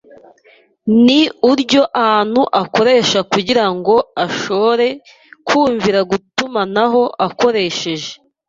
Ni uuryo antu akoresha kugira ngo ashoore kumvikana gutumanaho akoresheje